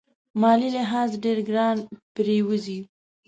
مالي لحاظ ډېر ګران پرېوزي.